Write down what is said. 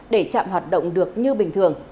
để chạm hoạt động được như bình thường